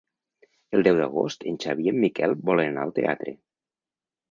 El deu d'agost en Xavi i en Miquel volen anar al teatre.